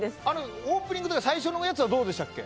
オープニングとか最初のやつはどうでしたっけ。